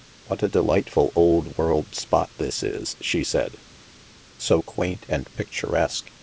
" What a delightful old world spot this is," she said —" so quaint and picturesque.